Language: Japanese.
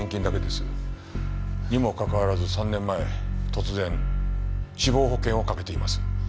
にもかかわらず３年前突然死亡保険を掛けています。